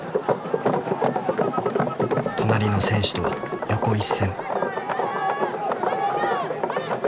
隣の選手とは横一線。